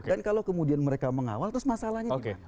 dan kalau kemudian mereka mengawal terus masalahnya tidak ada